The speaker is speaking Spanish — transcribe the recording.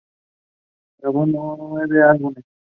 Grabó nueve álbumes.